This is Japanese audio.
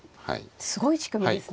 すごい仕組みですね。